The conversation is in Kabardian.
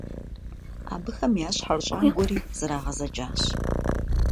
Абыхэм я щхьэр щӀагуэри зрагъэзэкӀащ.